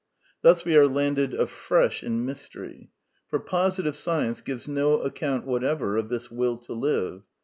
Thus we are landed afresh in mystery; for posi tive science gives no account whatever of this will to live.